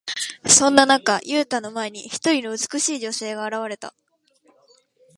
そんな中、ユウタの前に、一人の美しい女性が現れた。